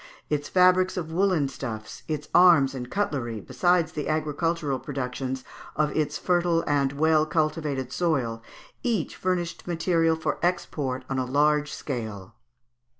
Its fabrics of woollen stuffs, its arms and cutlery, besides the agricultural productions of its fertile and well cultivated soil, each furnished material for export on a large scale.